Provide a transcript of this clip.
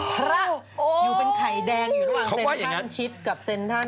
อยู่เป็นไข่แดงอยู่ถ้างเซนทรันชิฟท์กับเซนทรัน